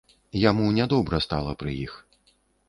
Яму нядобра стала пры іх.